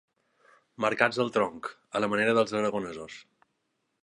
Marcats al tronc, a la manera dels aragonesos.